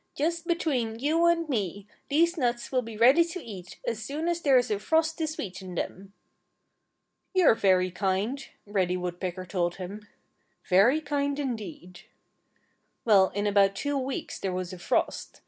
Just between you and me, these nuts will be ready to eat as soon as there's a frost to sweeten them." "You're very kind," Reddy Woodpecker told him. "Very kind indeed!" Well, in about two weeks there was a frost.